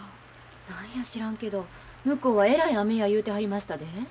何や知らんけど向こうはえらい雨や言うてはりましたで。